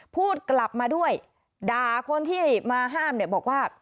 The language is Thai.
พูดกลับมาด้วยด่าคนที่มาห้ามเนี่ยบอกว่า